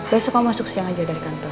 besok kamu masuk siang saja dari kantor